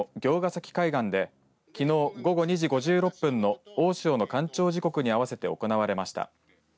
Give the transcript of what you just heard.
崎海岸できのう午後２時５６分の大潮の干潮時刻に合わせて行われました。